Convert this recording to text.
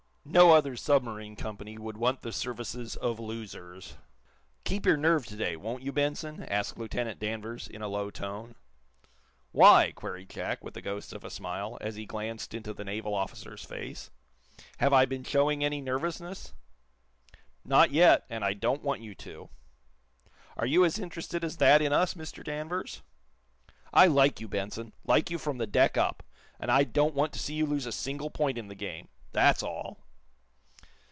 No other submarine company would want the services of losers. "Keep your nerve to day, won't you, Benson?" asked Lieutenant Danvers, in a low tone. "Why?" queried Jack, with the ghost of a smile, as he glanced into the naval officer's face. "Have I been showing any nervousness?" "Not yet, and I don't want you to." "Are you as interested as that in us, Mr. Danvers?" "I like you, Benson like you from the deck up, and I don't want to see you lose a single point in the game. That's all."